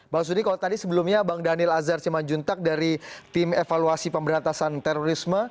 bang sudi kalau tadi sebelumnya bang daniel azhar simanjuntak dari tim evaluasi pemberantasan terorisme